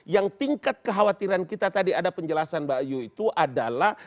yang tingkat kekhawatiran kita tadi ada penjelasan mbak ayu itu adalah